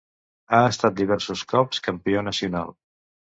Ha estat diversos cops campió nacional.